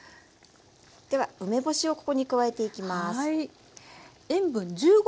では梅干しをここに加えていきます。